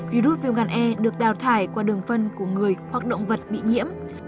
virus viêm gan e được đào thải qua đường phân của người hoặc động vật bị nhiễm